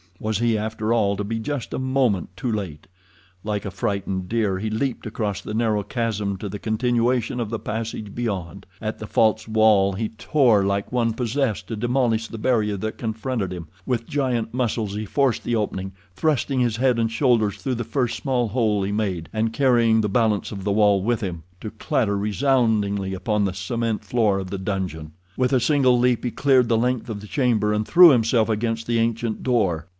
Was he, after all, to be just a moment too late? Like a frightened deer he leaped across the narrow chasm to the continuation of the passage beyond. At the false wall he tore like one possessed to demolish the barrier that confronted him—with giant muscles he forced the opening, thrusting his head and shoulders through the first small hole he made, and carrying the balance of the wall with him, to clatter resoundingly upon the cement floor of the dungeon. With a single leap he cleared the length of the chamber and threw himself against the ancient door.